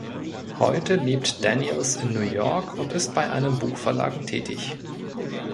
Heute lebt Daniels in New York und ist bei einem Buchverlag tätig.